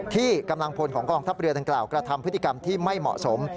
ที่กำลังพลของกองทัพเรือดังกล่าวกระทำพฤติกรรมที่ไม่เหมาะสม